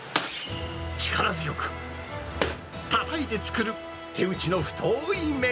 力強くたたいて作る、手打ちの太い麺。